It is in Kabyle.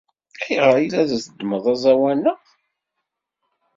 Ayɣer ay la d-tzeddmeḍ aẓawan-a?